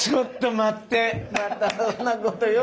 またそんなことよう。